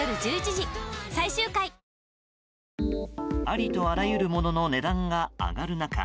ありとあらゆるものの値段が上がる中